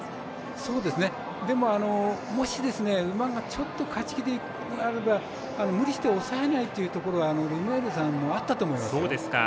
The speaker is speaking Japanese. でも、もしですね馬がちょっと勝ち気であれば、無理して抑えないというところはルメールさんもあったと思います。